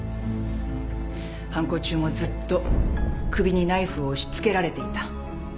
犯行中もずっと首にナイフを押し付けられていた。